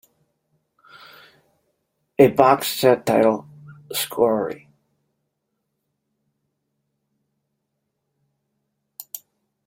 A boxed set titled Sorcery!